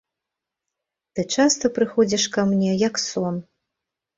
Ты часта прыходзіш ка мне, як сон.